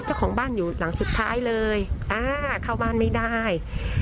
เจ้าของบ้านอยู่หลังสุดท้ายเลยอ่าเข้าบ้านไม่ได้